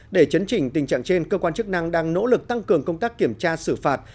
để chấn chỉnh tình trạng trên cơ quan chức năng đang nỗ lực tăng cường công tác kiểm tra xử phạt